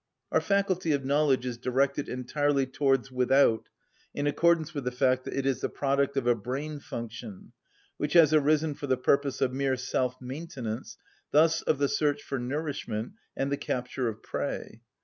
Our faculty of knowledge is directed entirely towards without, in accordance with the fact that it is the product of a brain function, which has arisen for the purpose of mere self‐maintenance, thus of the search for nourishment and the capture of prey.